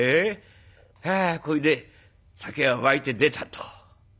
はあこれで酒がわいて出たと。